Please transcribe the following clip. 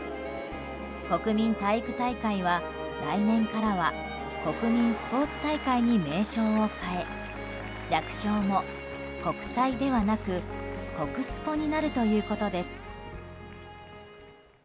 国民体育大会は、来年から国民スポーツ大会に名称を変え略称も国体ではなく国スポになるということです。